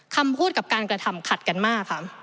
คำพูดกับการกระทำขัดกันมากค่ะ